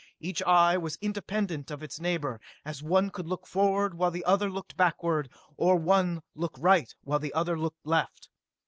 Each eye was independent of its neighbor, as one could look forward while the other looked backward, or one could look right while the other looked left.